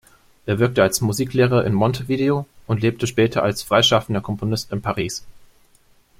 Er wirkte als Musiklehrer in Montevideo und lebte später als freischaffender Komponist in Paris.